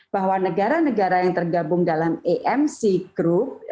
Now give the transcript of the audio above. bahwa negara negara yang tergabung dalam amc group